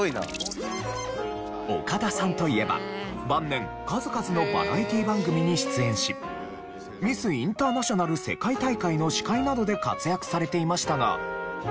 岡田さんといえば晩年数々のバラエティー番組に出演しミス・インターナショナル世界大会の司会などで活躍されていましたが。